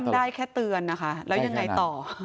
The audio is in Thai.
ได้แค่เตือนนะคะแล้วยังไงต่อ